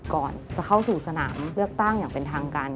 ก่อนจะเข้าสู่สนามเลือกตั้งอย่างเป็นทางการ